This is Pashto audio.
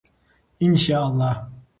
انشاءالله.